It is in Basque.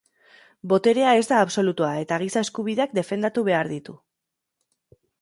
Boterea ez da absolutua eta giza eskubideak defendatu behar ditu.